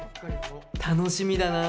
楽しみだな。